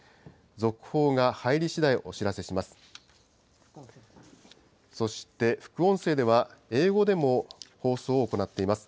続報が入りしだい、お知らせします。